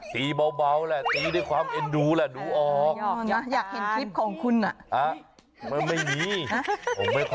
ตีเบาแหละตีด้วยความเอ็นดูแหละดูออก